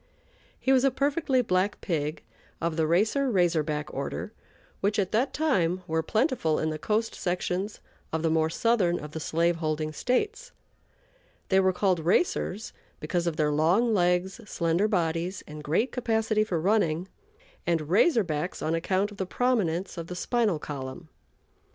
He was a perfectly black pig of the "Racer Razor Back" order, which, at that time, were plentiful in the coast sections of the more southern of the slave holding States. They were called "racers" because of their long legs, slender bodies, and great capacity for running; and "Razor Backs" on account of the prominence of the spinal column.